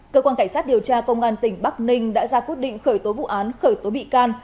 cơ quan cảnh sát điều tra công an tỉnh bắc ninh đã ra quyết định khởi tố vụ án khởi tố bị can